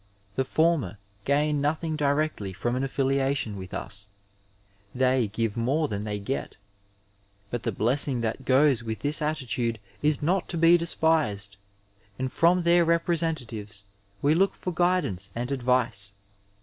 The former gain nothing directly from an affiliation, with us — ^they give more than they get, but the blessing that goes with this attitude is not to be despised, and from their representa tives we look for guidance and advice.